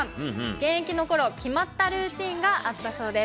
現役のころ、決まったルーティンがあったそうです。